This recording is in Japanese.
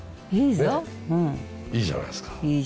いいじゃないですか。